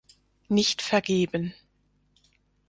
Nicht vergeben